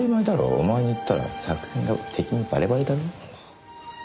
お前に言ったら作戦が敵にバレバレだろ！